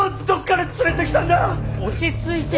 落ち着いて。